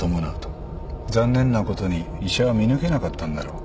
残念なことに医者は見抜けなかったんだろう。